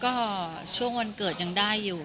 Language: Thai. ก็ช่วงวันเกิดยังได้อยู่